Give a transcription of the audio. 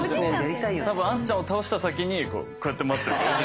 多分あっちゃんを倒した先にこうやって待ってる。